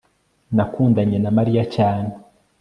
nakundanye na mariya cyane